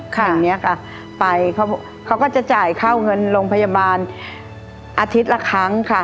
เขาจะจ่ายเข้าเงินโรงพยาบาลอาทิตย์ละครั้งค่ะ